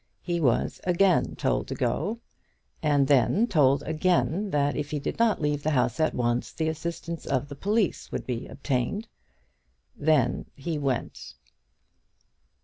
He was again told to go; and then told again, that if he did not leave the house at once, the assistance of the police would be obtained. Then he went.